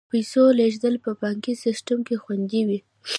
د پیسو لیږد په بانکي سیستم کې خوندي وي.